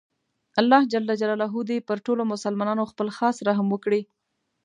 الله ﷻ دې پر ټولو مسلماناتو خپل خاص رحم وکړي